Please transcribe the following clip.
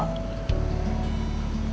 tidak boleh emosional